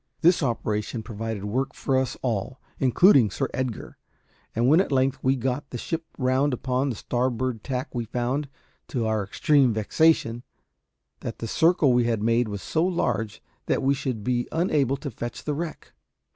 This operation provided work for us all, including Sir Edgar; and when at length we got the ship round upon the starboard tack we found, to our extreme vexation, that the circle we had made was so large that we should be unable to fetch the wreck.